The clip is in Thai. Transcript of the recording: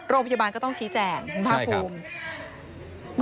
โรงพยาบาลก็ต้องชี้แจ่ง